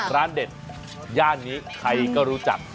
ร้านเด็ดย่านนี้ใครก็รู้จัก